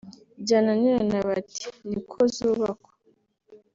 byananirana bati ‘ni ko zubakwa’